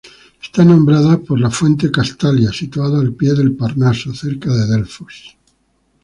Está nombrado por la fuente Castalia, situada al pie del Parnaso, cerca de Delfos.